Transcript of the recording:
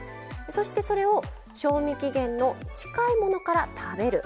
そしてそれを賞味期限の近いものから食べる。